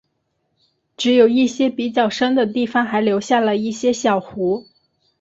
只有一些比较深的地方还留下了一些小湖。